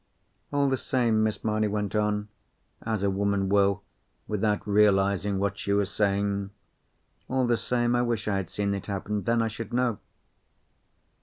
"All the same," Miss Mamie went on, as a woman will, without realising what she was saying, "all the same, I wish I had seen it happen. Then I should know."